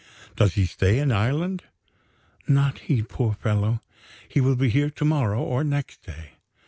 "Does he stay in Ireland?" "Not he, poor fellow! He will be here to morrow or next day.